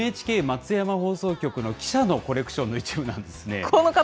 ＮＨＫ松山放送局の記者のコレクションの一部なんですね。